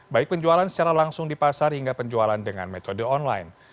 baik penjualan secara langsung di pasar hingga penjualan dengan metode online